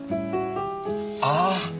ああ！